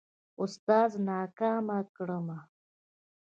اوستاذ ناکامه کړمه.